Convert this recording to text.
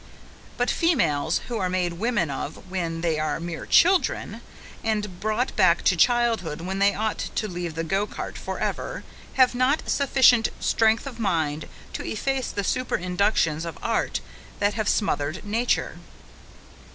But females, who are made women of when they are mere children, and brought back to childhood when they ought to leave the go cart forever, have not sufficient strength of mind to efface the superinductions of art that have smothered nature.